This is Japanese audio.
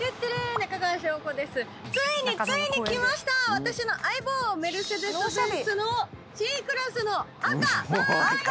「私の相棒メルセデス・ベンツのＣクラスの赤！」